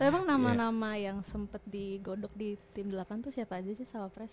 tapi emang nama nama yang sempat digodok di tim delapan tuh siapa aja sih sama pres